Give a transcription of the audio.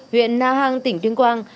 huyện nga hàng tỉnh tuyên quang